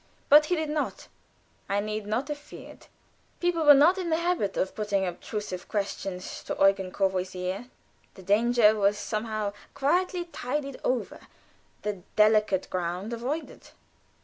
But he did not; I need not have feared. People were not in the habit of putting obtrusive questions to Eugen Courvoisier. The danger was somehow quietly tided over, the delicate ground avoided.